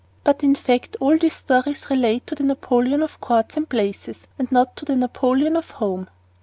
But, in fact, all these stories relate to the Napoleon of courts and palaces, and not to the Napoleon of home.